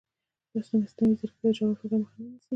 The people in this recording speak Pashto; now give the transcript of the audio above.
ایا مصنوعي ځیرکتیا د ژور فکر مخه نه نیسي؟